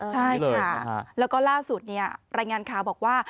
ใช่ค่ะแล้วก็ล่าสุดรายงานข่าวบอกว่า